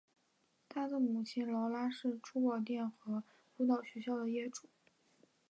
她的母亲劳拉是珠宝店和舞蹈学校的业主。